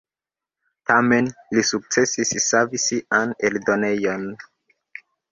Tamen li sukcesis savi sian eldonejon.